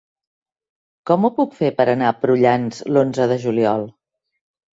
Com ho puc fer per anar a Prullans l'onze de juliol?